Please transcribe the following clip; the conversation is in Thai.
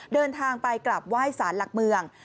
เดินทางไปกลับไหว้สารหลักเมือง